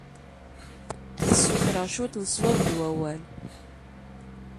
Ad ssutreɣ cwiṭ n sswab d wawal.